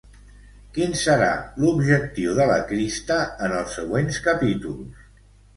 Quin serà l'objectiu de la Krista en els següents capítols?